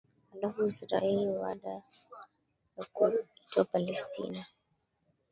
halafu Israeli baadaye na kuitwa Palestina